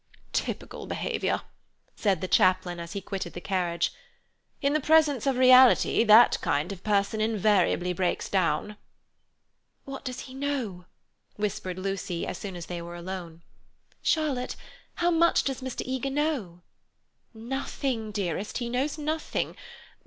"Typical behaviour," said the chaplain, as he quitted the carriage. "In the presence of reality that kind of person invariably breaks down." "What does he know?" whispered Lucy as soon as they were alone. "Charlotte, how much does Mr. Eager know?" "Nothing, dearest; he knows nothing.